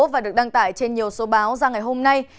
và được đăng tải trên nhiều số báo ra ngày hôm nay